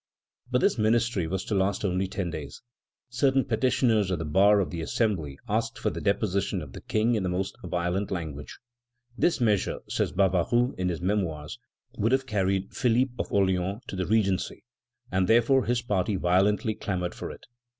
But this ministry was to last only ten days. Certain petitioners at the bar of the Assembly asked for the deposition of the King in most violent language. "This measure," says Barbaroux in his Memoirs, "would have carried Philippe of Orléans to the regency, and therefore his party violently clamored for it.